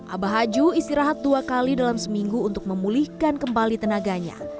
abah aju istirahat dua kali dalam seminggu untuk memulihkan kembali tenaganya